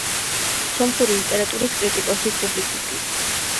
სომხური ლიტერატურის კრიტიკოსი, პუბლიცისტი.